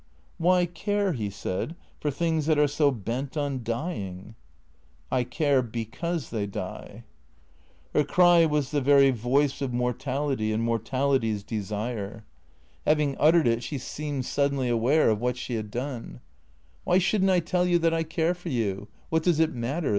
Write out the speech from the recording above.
" Why care," he said, " for things that are so bent on dying? "" I care — because they die." Her cry was the very voice of mortality and mortality's desire. 340 T H E C E E A T 0 R S Having uttered it she seemed suddenly aware of what she had done. " Why should n't I tell you that I care for you ? What does it matter?